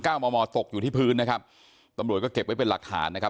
โมมอตกอยู่ที่พื้นนะครับตำรวจก็เก็บไว้เป็นหลักฐานนะครับ